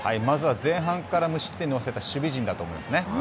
まずは前半から無失点に抑えた守備陣だと思いますね。